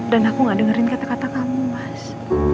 dan aku gak dengerin kata kata kamu mas